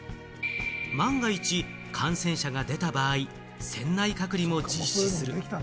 万が一感染者が出た場合、船内隔離も実施する。